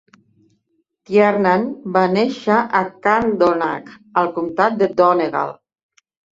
Tiernan va néixer a Carndonagh, al comtat de Donegal.